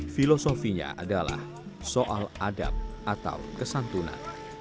filosofinya adalah soal adab atau kesantunan